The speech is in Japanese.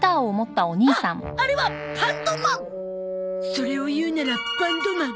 それを言うなら「バンドマン」。